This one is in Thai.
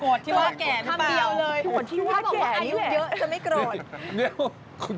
โกรธที่ว่าแก่หรือเปล่าโกรธที่ว่าแก่แหละจะไม่โกรธโกรธที่ว่าแก่